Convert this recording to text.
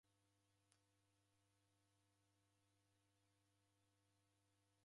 Kwanivavira nao